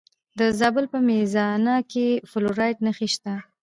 د زابل په میزانه کې د فلورایټ نښې شته.